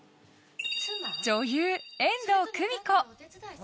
女優・遠藤久美子。